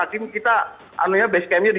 maka kita anunya base campnya di